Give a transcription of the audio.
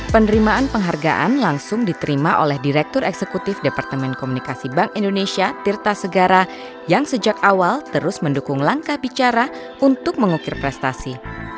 penerimaan penghargaan langsung diterima oleh direktur eksekutif departemen komunikasi bank indonesia tirta segara yang sejak awal terus mendukung langkah bicara untuk mengukir prestasi